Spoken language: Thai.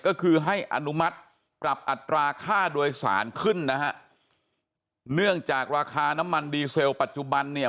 ก็คือให้อนุมัติปรับอัตราค่าโดยสารขึ้นนะฮะเนื่องจากราคาน้ำมันดีเซลปัจจุบันเนี่ย